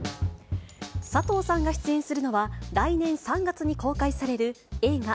佐藤さんが出演するのは、来年３月に公開される映画